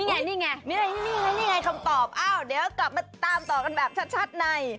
เฮ้ยนี่ไงคำตอบอ้าวเดี๋ยวกลับมาตามต่อกันแบบชัดใน